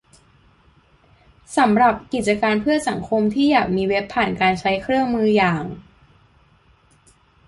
สำหรับกิจการเพื่อสังคมที่อยากมีเว็บผ่านการใช้เครื่องมืออย่าง